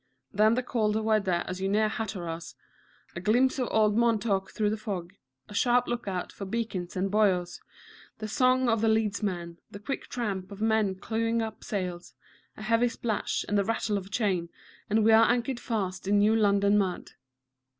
Then the colder weather as you near Hatteras, a glimpse of old Montauk through the fog, a sharp look out for beacons and buoys, the song of the leads man, the quick tramp of men clewing up sail, a heavy splash and the rattle of chain, and we are anchored fast in New London mud.